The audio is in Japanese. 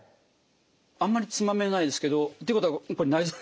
あんまりつまめないですけどっていうことはこれ内臓。